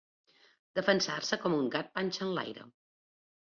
Defensar-se com un gat panxa enlaire.